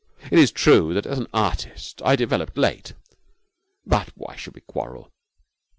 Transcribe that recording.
It is true that as an artist I developed late But why should we quarrel?